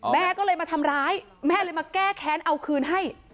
แม่ก็เลยมาทำร้ายแม่เลยมาแก้แค้นเอาคืนให้